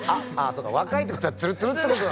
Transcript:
そっか若いってことはツルツルってこと。